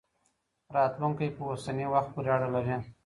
راتلونکی په اوسني وخت پورې اړه لري.